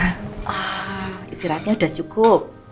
ah istirahatnya udah cukup